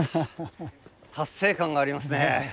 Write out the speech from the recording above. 達成感がありますね。